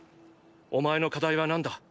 お前の課題は何だ。